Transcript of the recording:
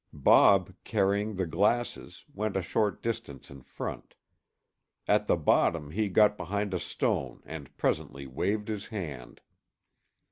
Bob, carrying the glasses, went a short distance in front. At the bottom he got behind a stone and presently waved his hand.